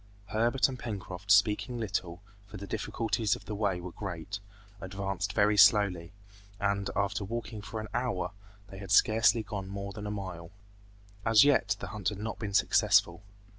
Herbert and Pencroft speaking little, for the difficulties of the way were great, advanced very slowly, and after walking for an hour they had scarcely gone more than a mile. As yet the hunt had not been successful.